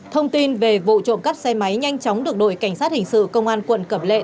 thông tin về vụ trộm cắp xe máy nhanh chóng được đội cảnh sát hình sự công an quận cẩm lệ